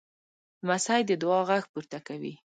لمسی د دعا غږ پورته کوي.